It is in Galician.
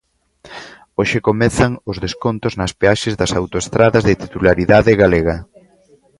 Hoxe comezan os descontos nas peaxes das autoestradas de titularidade galega.